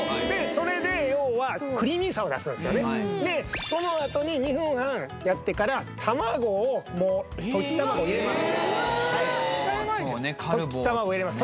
それで要はクリーミーさを出すんですよねでそのあとに２分半やってから卵を溶き卵を入れます溶き卵を入れます